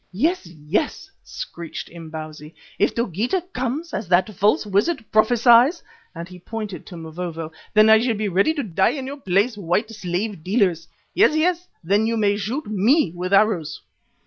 "Yes, yes," screeched Imbozwi. "If Dogeetah comes, as that false wizard prophesies," and he pointed to Mavovo, "then I shall be ready to die in your place, white slave dealers. Yes, yes, then you may shoot me with arrows."